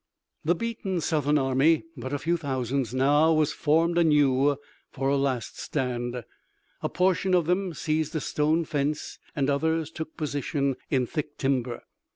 The beaten Southern army, but a few thousands, now was formed anew for a last stand. A portion of them seized a stone fence, and others took position in thick timber.